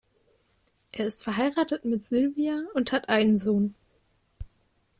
Er ist verheiratet mit Sylvia und hat einen Sohn.